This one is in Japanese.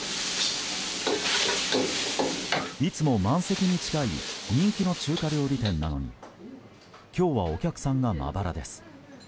ＪＴいつも満席に近い人気の中華料理店なのに今日はお客さんがまばらです。